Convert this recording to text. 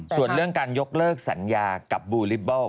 ส่วนเรื่องการยกเลิกสัญญากับบูลิเบิล